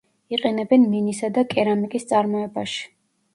იყენებენ მინისა და კერამიკის წარმოებაში.